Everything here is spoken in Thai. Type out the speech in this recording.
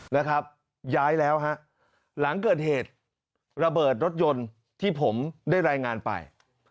นะครับย้ายแล้วฮะหลังเกิดเหตุระเบิดรถยนต์ที่ผมได้รายงานไป